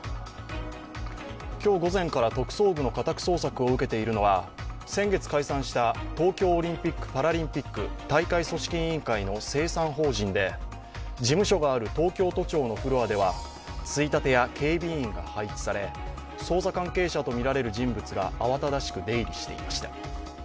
今日午前から特捜部の家宅捜索を受けているのは先月解散した東京オリンピック・パラリンピック大会組織委員会の清算法人で、事務所がある東京都庁のフロアではついたてや警備員が配置され捜査関係者とみられる人物が慌ただしく出入りしていました。